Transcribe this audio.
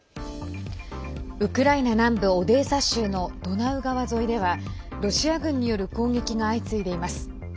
ウクライナ南部オデーサ州のドナウ川沿いではロシア軍による攻撃が相次いでいます。